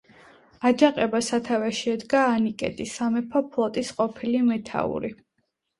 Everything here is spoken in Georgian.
აჯანყებას სათავეში ედგა ანიკეტი, სამეფო ფლოტის ყოფილი მეთაური.